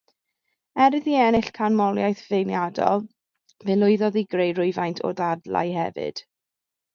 Er iddi ennill canmoliaeth feirniadol, fe lwyddodd i greu rhywfaint o ddadlau hefyd.